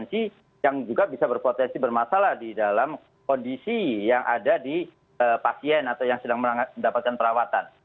ini juga bisa menjadi konsekuensi yang juga bisa berpotensi bermasalah di dalam kondisi yang ada di pasien atau yang sedang mendapatkan perawatan